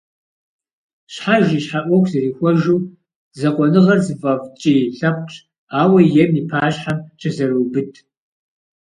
Щхьэж и щхьэ Ӏуэху зэрихуэжу, закъуэныгъэр зыфӀэфӀ ткӀий лъэпкъщ, ауэ ем и пащхьэм щызэроубыд.